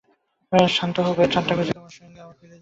শান্ত হও ভাই, ঠাট্টা করেছে তোমার সঙ্গে, আবার ফিরিয়ে দেবে।